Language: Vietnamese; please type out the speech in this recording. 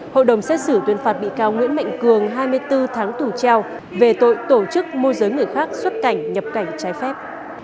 hội đồng xét xử tuyên phạt bị cáo nguyễn mạnh cường hai mươi bốn tháng tù treo về tội tổ chức môi giới người khác xuất cảnh nhập cảnh trái phép